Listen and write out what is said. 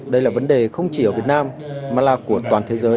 đây là vấn đề không chỉ ở việt nam mà là của toàn thế giới